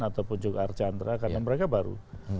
ataupun jokar chandra karena mereka baru